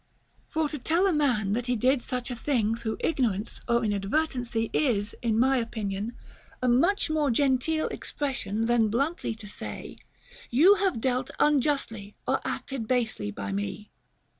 t For to tell a man that he did such a thing through igno rance or inadvertency is, in my opinion, a much more genteel expression than bluntly to say, " You have dealt un justly or acted basely by me."